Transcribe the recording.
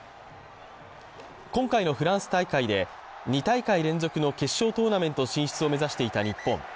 今回のフランス大会で、２大会連続の決勝トーナメント進出を目指していた日本。